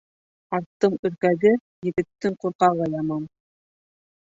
Аттың өркәге, егеттең ҡурҡағы яман.